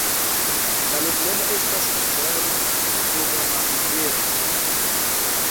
La loknomo estas hungare: dogana-libera.